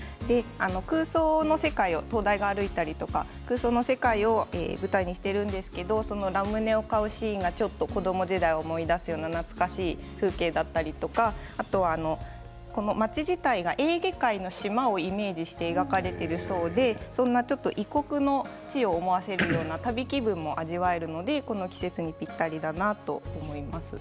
空想の世界を灯台が歩いたり空想の世界を舞台にしているんですがラムネを買うシーンが子ども時代を思い出すような懐かしい風景だったり町全体がエーゲ海の島をイメージして描かれているそうでそんな異国の地を思わせるような旅気分も味わえるのでこの季節にぴったりだなと思います。